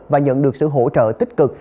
và nhận được sự hỗ trợ tích cực